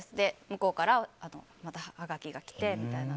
向こうからまた、はがきが来てみたいな。